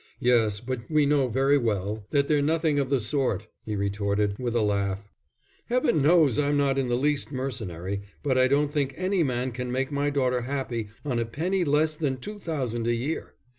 "Yes, but we know very well that they're nothing of the sort," he retorted, with a laugh. "Heaven knows I'm not in the least mercenary, but I don't think any man can make my daughter happy on a penny less than two thousand a year.